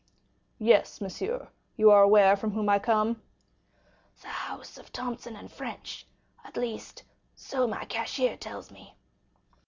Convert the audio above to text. "Yes, monsieur; you are aware from whom I come?" "The house of Thomson & French; at least, so my cashier tells me."